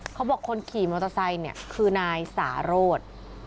เขาบอกคนขี่มอเตอร์ไซค์เนี่ยคือนายสารโรธ